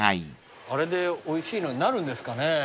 あれでおいしいのになるんですかね？ねぇ。